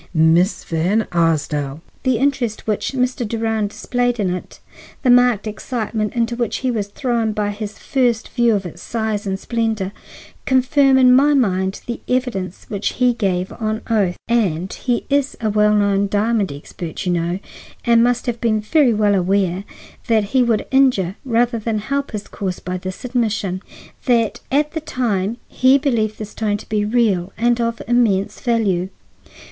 "Miss Van Arsdale!" "The interest which Mr. Durand displayed in it, the marked excitement into which he was thrown by his first view of its size and splendor, confirm in my mind the evidence which he gave on oath (and he is a well known diamond expert, you know, and must have been very well aware that he would injure rather than help his cause by this admission) that at that time he believed the stone to be real and of immense value.